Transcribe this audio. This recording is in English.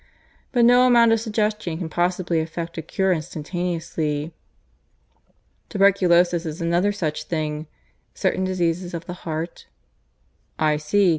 But no amount of suggestion can possibly effect a cure instantaneously. Tuberculosis is another such thing; certain diseases of the heart " "I see.